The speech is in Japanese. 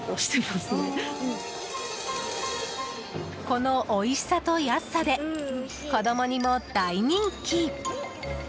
このおいしさと安さで子供にも大人気。